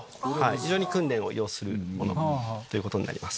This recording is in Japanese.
非常に訓練を要するものということになります。